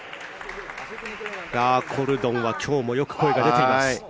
コルドンは今日もよく声が出ています。